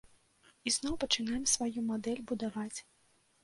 І зноў пачынаем сваю мадэль будаваць.